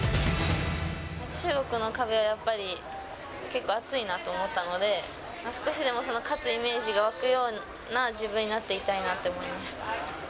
中国の壁はやっぱり結構厚いなと思ったので、少しでもその勝つイメージが湧くような自分になっていたいなって思いました。